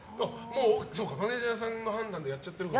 マネジャーさんの判断でやっちゃってるから。